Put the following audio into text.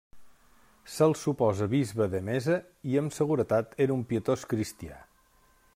Se'l suposa bisbe d'Emesa i amb seguretat era un pietós cristià.